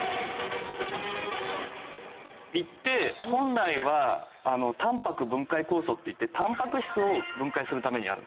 胃って本来はタンパク分解酵素っていってタンパク質を分解するためにあるんです。